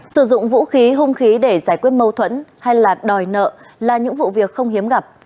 sử dụng vũ khí hung khí để giải quyết mâu thuẫn hay là đòi nợ là những vụ việc không hiếm gặp